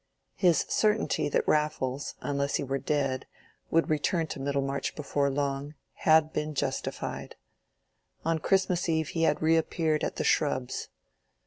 His certainty that Raffles, unless he were dead, would return to Middlemarch before long, had been justified. On Christmas Eve he had reappeared at The Shrubs.